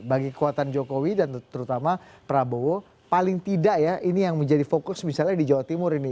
bagi kekuatan jokowi dan terutama prabowo paling tidak ya ini yang menjadi fokus misalnya di jawa timur ini